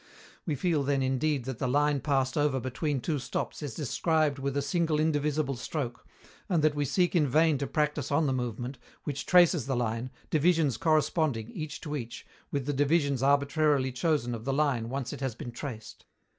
We feel then indeed that the line passed over between two stops is described with a single indivisible stroke, and that we seek in vain to practice on the movement, which traces the line, divisions corresponding, each to each, with the divisions arbitrarily chosen of the line once it has been traced.